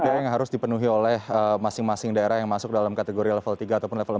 ada yang harus dipenuhi oleh masing masing daerah yang masuk dalam kategori level tiga ataupun level empat